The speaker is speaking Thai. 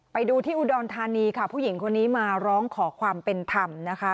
ไปดูที่อุดรธานีค่ะผู้หญิงคนนี้มาร้องขอความเป็นธรรมนะคะ